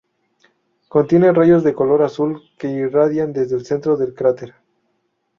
Contiene rayos de color azul que irradian desde el centro del cráter.